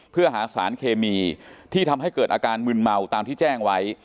เพื่อหาสารเคมีที่ทำให้เกิดอาการมึนเมาตามที่แจ้งไว้